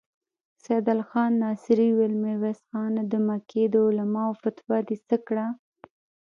سيدال خان ناصري وويل: ميرويس خانه! د مکې د علماوو فتوا دې څه کړه؟